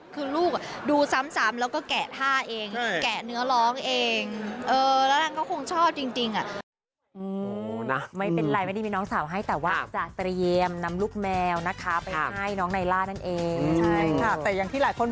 คือลูกดูซ้ำแล้วก็แกะท่าเอง